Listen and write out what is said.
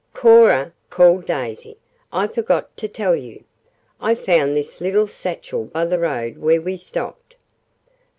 "Cora," called Daisy, "I forgot to tell you. I found this little satchel by the road where we stopped."